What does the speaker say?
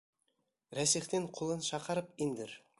Рәсихтең ҡулын шаҡарып индер!